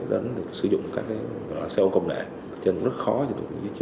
đến sử dụng các cái